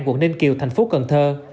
quận ninh kiều thành phố cần thơ